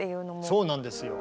そうなんですよ。